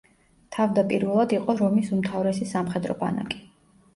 თავდაპირველად იყო რომის უმთავრესი სამხედრო ბანაკი.